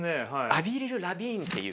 アヴリル・ラヴィーンっていう。